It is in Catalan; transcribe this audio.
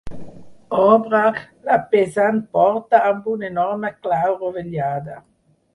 Obre la pesant porta amb una enorme clau rovellada.